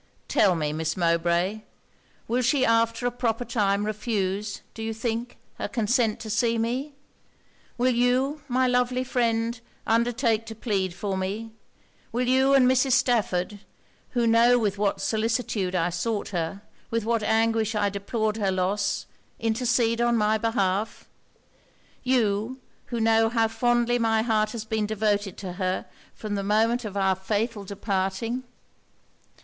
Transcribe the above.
'Tell me, Miss Mowbray will she after a proper time refuse, do you think, her consent to see me? will you, my lovely friend, undertake to plead for me? will you and Mrs. Stafford, who know with what solicitude I sought her, with what anguish I deplored her loss, intercede on my behalf? you, who know how fondly my heart has been devoted to her from the moment of our fatal parting?'